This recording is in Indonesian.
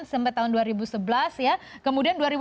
sampai tahun dua ribu sebelas ya